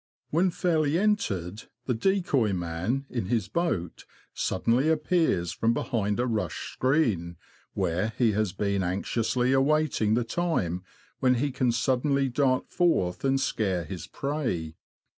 When fairly entered, the decoy man, in his boat, suddenly appears from behind a rush screen, where he has been anxiously awaiting the time when he can suddenly dart forth and scare his prey.